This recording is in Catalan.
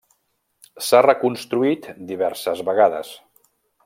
S'ha reconstruït diverses vegades.